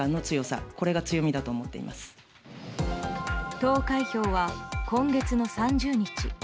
投開票は今月の３０日。